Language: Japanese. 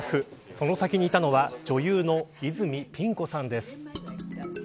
その先にいたのは女優の泉ピン子さんです。